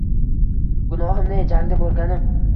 Gunohim ne?—Jangda bo’lganim